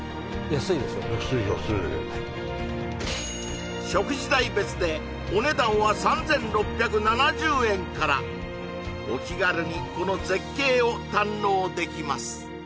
安い安い食事代別でお値段は３６７０円からお気軽にこの絶景を堪能できます